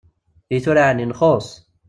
I tura ɛni nxus!